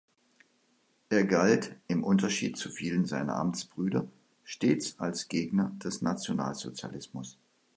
Er galt im Unterschied zu vielen seiner Amtsbrüder stets als Gegner des Nationalsozialismus.